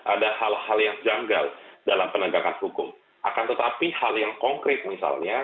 ada hal hal yang janggal dalam penegakan hukum akan tetapi hal yang konkret misalnya